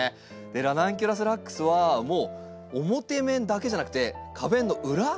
ラナンキュラスラックスは表面だけじゃなくて花弁の裏側も美しい。